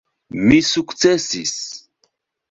Mi sukcesis.